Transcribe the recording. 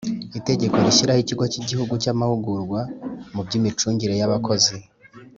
Itegeko rishyiraho ikigo cy igihugu cy amahugurwa mu by imicungire y abakozi